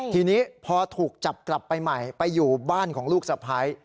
ทีนี้พอถูกจับกลับไปใหม่ไปอยู่บ้านของลูกสะพ้าย